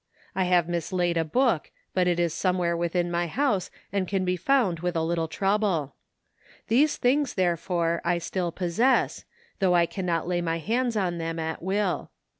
I have mislaid a book, but it is some where within my house and can be found with a little trouble. These things, therefore, I still possess, though I cannot lay my hands on them at will.